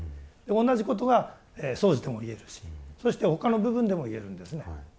同じことが掃除でも言えるしそして他の部分でも言えるんですね。